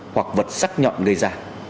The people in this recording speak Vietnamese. hoặc vật sắc nhọn gây ra